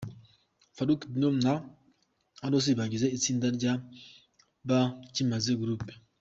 Faruku Dinho na Harusi bagize itsinda ry'Abakimaze Group.